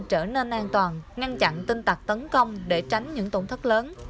trở nên an toàn ngăn chặn tinh tạc tấn công để tránh những tổn thất